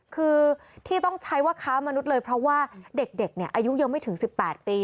คือที่ต้องใช้ว่าค้ามนุษย์เลยเพราะว่าเด็กเนี่ยอายุยังไม่ถึง๑๘ปี